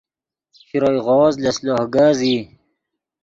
شروئے غوز لس لوہ کز ای